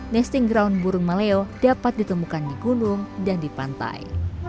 nasting ground burung maleo dapat ditemukan di gunung dan di pantai